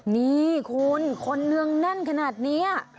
นี่คุณคนเนืองแน่นขนาดนี้